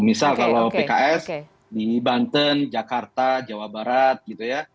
misal kalau pks di banten jakarta jawa barat gitu ya